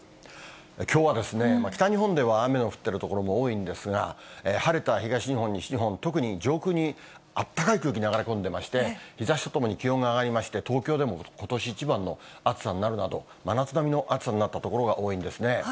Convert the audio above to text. きょうは北日本では雨の降っている所も多いんですが、晴れた東日本、西日本、特に上空にあったかい空気流れ込んでまして、日ざしとともに気温が上がりまして、東京でもことし一番の暑さになるなど、真夏並みの暑さになった所が多いんですね。